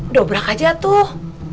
dobrak aja tuh